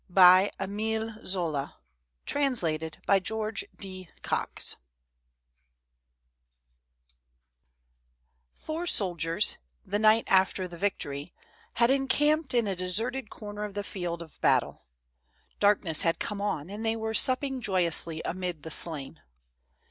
BY Emile zola. F our soldiers, the night after the victory, had encamped in a deserted corner of the field of battle. Darkness had come on, and they were supping joyously amid the slain.